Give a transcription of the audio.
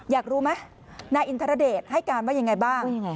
อยากรู้ไหมนายอินทรเดชให้การว่ายังไงบ้าง